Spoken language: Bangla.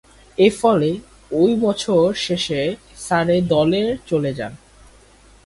এরফলে, ঐ বছর শেষে সারে দলে চলে যান।